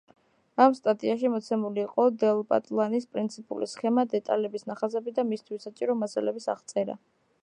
ამ სტატიაში მოცემული იყო დელტაპლანის პრინციპული სქემა, დეტალების ნახაზები და მისთვის საჭირო მასალების აღწერა.